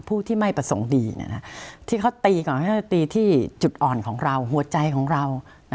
ผู้ที่ไม่ประสงค์ดีที่เขาตีที่จุดอ่อนของเราหัวใจของเรา